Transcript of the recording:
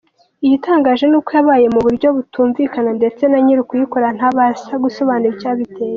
Igitangaje ni uko yabaye mu buryo butumvika ndetse na nyiri kuyikora ntabasha gusobanura icyabiteye.